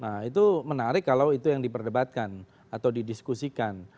nah itu menarik kalau itu yang diperdebatkan atau didiskusikan